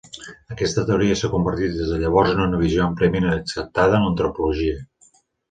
Aquesta teoria s'ha convertit des de llavors en una visió àmpliament acceptada en l'antropologia.